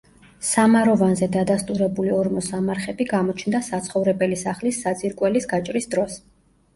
სამაროვანზე დადასტურებული ორმოსამარხები გამოჩნდა საცხოვრებელი სახლის საძირკველის გაჭრის დროს.